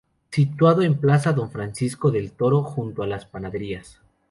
Situado en plaza Don Francisco Del Toro junto a las panaderías.